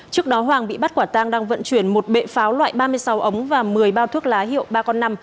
trước đó hoàng bị bắt quả tang đang vận chuyển một bệ pháo loại ba mươi sáu ống và một mươi bao thuốc lá hiệu ba con năm